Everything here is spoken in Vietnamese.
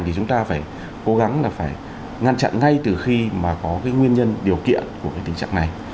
thì chúng ta phải cố gắng là phải ngăn chặn ngay từ khi mà có cái nguyên nhân điều kiện của cái tình trạng này